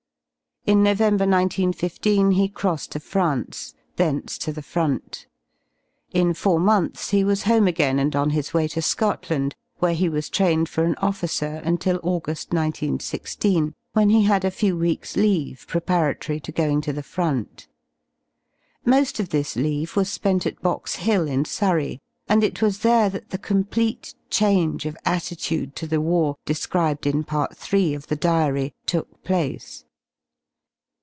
In November i()i^he crossed to France; thence to the Front. In four months he was home again and on his zvay to Scotland, where he was trained for an officer until Jugu§l 1 9 1 6, when he had a few weeks* leave preparatory to going to the Front. L MoSl of this leave was spent at Box Hill in Surrey, and it / was there that the complete change of attitude to the war, ( described in Part III. of the Diary, took place.